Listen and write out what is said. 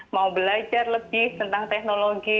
mau belajar lebih tentang teknologi